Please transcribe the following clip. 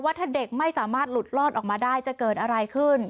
ถ้าเด็กไม่สามารถหลุดลอดออกมาได้จะเกิดอะไรขึ้น